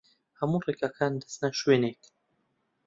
هەموو ڕێگاکان دەچنە شوێنێک.